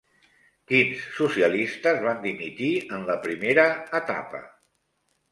Quins socialistes van dimitir en la primera etapa?